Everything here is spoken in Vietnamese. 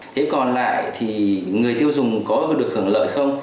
thế còn lại thì người tiêu dùng có được hưởng lợi không